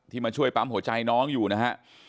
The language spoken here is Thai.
มาช่วยปั๊มหัวใจน้องอยู่นะฮะ